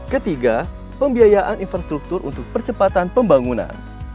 ketiga pembiayaan infrastruktur untuk percepatan pembangunan